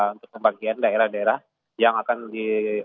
untuk pembagian daerah daerah yang akan di